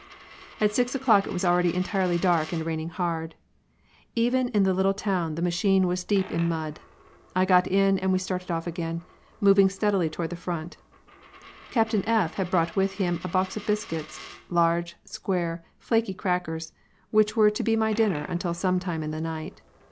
At six o'clock it was already entirely dark and raining hard. Even in the little town the machine was deep in mud. I got in and we started off again, moving steadily toward the front. Captain F had brought with him a box of biscuits, large, square, flaky crackers, which were to be my dinner until some time in the night.